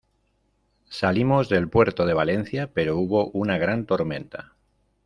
salimos del puerto de Valencia, pero hubo una gran tormenta.